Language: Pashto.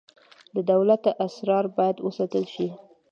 د دولت اسرار باید وساتل شي